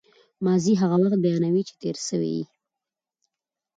ماضي هغه وخت بیانوي، چي تېر سوی يي.